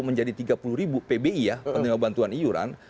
menjadi tiga puluh ribu pbi ya penerima bantuan iuran